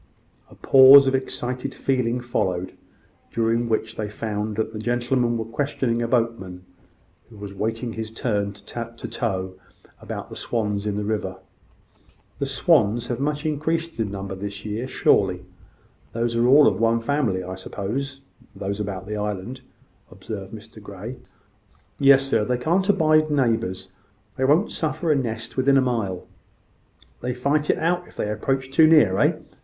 A pause of excited feeling followed, during which they found that the gentlemen were questioning a boatman, who was awaiting his turn to tow, about the swans in the river. "The swans have much increased in number this season, surely. Those are all of one family, I suppose those about the island," observed Mr Grey. "Yes, sir; they can't abide neighbours. They won't suffer a nest within a mile." "They fight it out, if they approach too near, eh?"